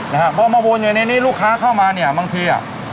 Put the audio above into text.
นะฮะพอมาวนอยู่ในนี้ลูกค้าเข้ามาเนี่ยบางทีอ่ะ